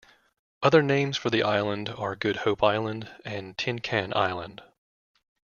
Other names for the island are Good Hope island and Tin Can island.